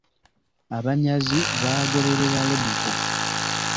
Abanyazi baagoberera Lodipo.